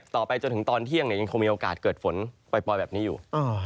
ต่อไปจนถึงตอนเที่ยงยังคงมีโอกาสเกิดฝนปล่อยแบบนี้อยู่